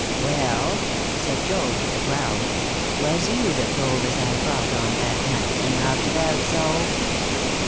"Well," said Job, with a growl, "was you the cove as I fought on that night, and knocked about so?"